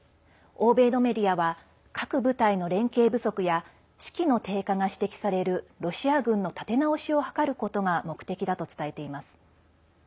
欧米のメディアは各部隊の連携不足や士気の低下が指摘されるロシア軍の立て直しを図ることが目的だと伝えています。